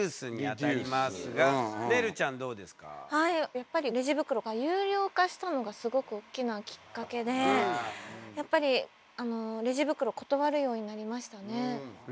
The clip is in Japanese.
やっぱりレジ袋が有料化したのがすごくおっきなきっかけでやっぱりレジ袋断るようになりましたね。